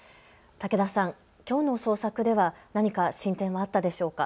武田さん、きょうの捜索では何か進展はあったでしょうか。